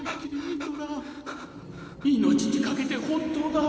命にかけて本当だ